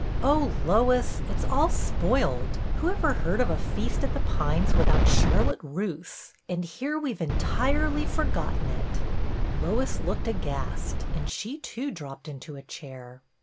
"Oh, Lois! It's all spoiled! Who ever heard of a feast at The Pines without char lotte russe, and here we 've entirely forgot ten it." Lois looked aghast, and she too dropped into a chair.